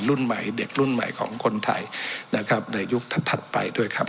รุ่นใหม่เด็กรุ่นใหม่ของคนไทยนะครับในยุคถัดไปด้วยครับ